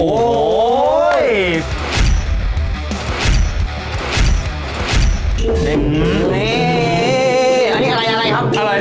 อันนี้อะไรครับ